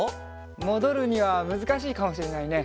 もどるにはむずかしいかもしれないね。